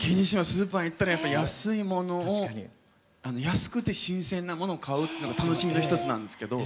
スーパーに行ったらやっぱり安くて新鮮なものを買うっていうのが楽しみの一つなんですけど。